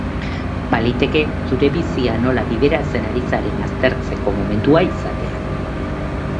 Baliteke zure bizia nola bideratzen ari zaren aztertzeko momentua izatea.